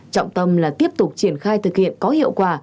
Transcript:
trọng tâm là tiếp tục triển khai thực hiện có hiệu quả